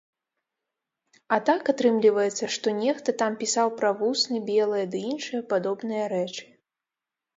А так, атрымліваецца, што нехта там пісаў пра вусны белыя ды іншыя падобныя рэчы.